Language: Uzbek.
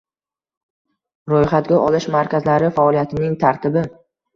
Ro‘yxatga olish markazlari faoliyatining tartibi